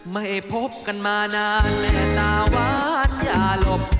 ไม่พบกันมานานและตาหวานอย่าหลบ